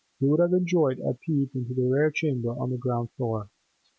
You would have enjoyed a peep into the rear chamber on the ground floor.